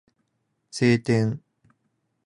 晴天